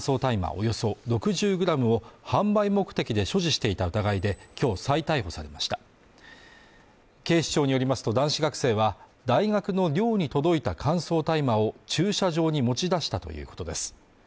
およそ６０グラムを販売目的で所持していた疑いで今日再逮捕されました警視庁によりますと男子学生は大学の寮に届いた乾燥大麻を駐車場に持ち出したということです